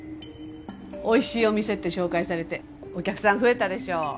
美味しいお店って紹介されてお客さん増えたでしょう？